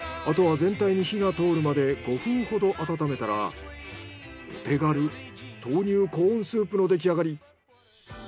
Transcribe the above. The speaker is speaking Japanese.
あとは全体に火が通るまで５分ほど温めたらお手軽豆乳コーンスープの出来上がり。